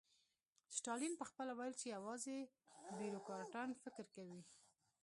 ستالین پخپله ویل چې یوازې بیروکراټان فکر کوي